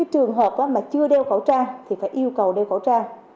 trường hợp mà chưa đeo khẩu trang thì phải yêu cầu đeo khẩu trang